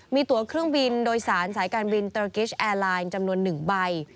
มีตัวเครื่องบินโดยสารสายการบินโตรกิสแอร์ไลน์จำนวน๑ใบ